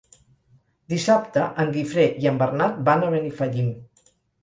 Dissabte en Guifré i en Bernat van a Benifallim.